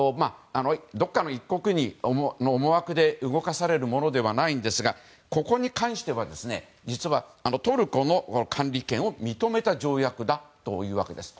どこかの１国の思惑で動かされるものではないですがここに関しては実はトルコの管理権を認めた条約だというわけです。